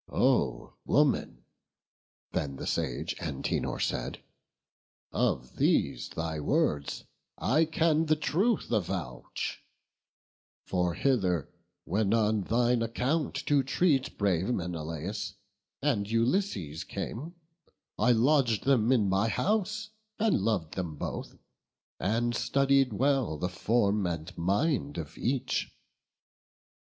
"O woman," then the sage Antenor said, "Of these thy words I can the truth avouch; For hither when on thine account to treat, Brave Menelaus and Ulysses came, I lodg'd them in my house, and lov'd them both, And studied well the form and mind of each.